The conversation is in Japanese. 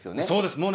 そうです。